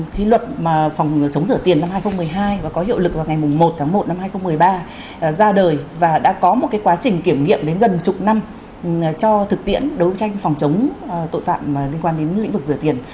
khi luật phòng chống rửa tiền năm hai nghìn một mươi hai và có hiệu lực vào ngày một tháng một năm hai nghìn một mươi ba ra đời và đã có một cái quá trình kiểm nghiệm đến gần chục năm cho thực tiễn đấu tranh phòng chống tội phạm liên quan đến lĩnh vực rửa tiền